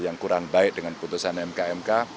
yang kurang baik dengan putusan mk mk